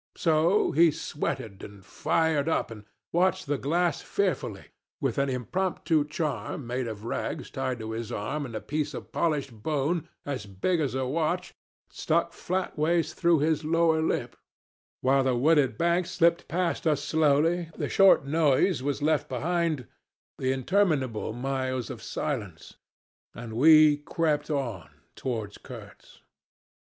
So he sweated and fired up and watched the glass fearfully (with an impromptu charm, made of rags, tied to his arm, and a piece of polished bone, as big as a watch, stuck flatways through his lower lip), while the wooded banks slipped past us slowly, the short noise was left behind, the interminable miles of silence and we crept on, towards Kurtz.